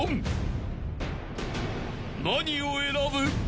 ［何を選ぶ？］